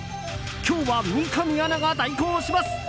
今日は三上アナが代行します。